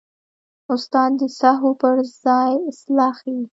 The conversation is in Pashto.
استاد د سهوو پر ځای اصلاح ښيي.